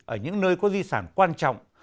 ở những nơi có di sản quan trọng